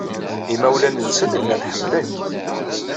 Imawlan-nsen llan ḥemmlen-k.